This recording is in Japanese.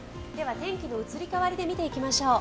天気の移り変わりで見ていきましょう。